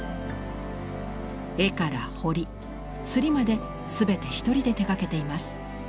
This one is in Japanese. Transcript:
絵から彫り刷りまで全て一人で手がけています。